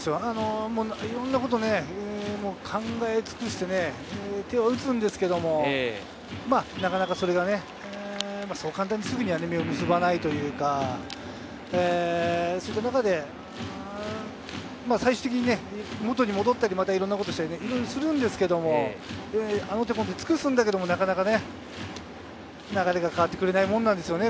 いろんなことを考えつくして、手は打つんですけれど、なかなかそう簡単には身を結ばないというか、その中で最終的に元に戻ったり、いろんなことをしたりするんですけれど、あの手この手尽くすんだけれど、なかなか流れが変わってくれないものなんですよね。